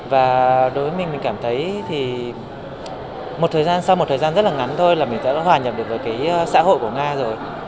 và đối với mình mình cảm thấy thì một thời gian sau một thời gian rất là ngắn thôi là mình đã hòa nhập được với cái xã hội của nga rồi